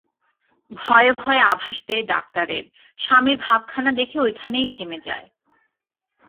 ভয়ে ভয়ে আভাস দেয় ডাক্তারের- স্বামীর ভাবখানা দেখে ঐখানেই থেমে যায়।